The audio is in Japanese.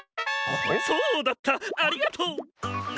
そうだったありがとう！